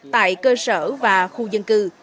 tại cơ sở và khu dân cư